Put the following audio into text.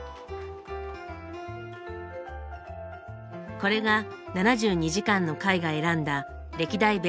これが７２時間の会が選んだ歴代ベスト１０。